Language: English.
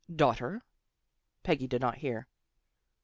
" Daughter." Peggy did not hear.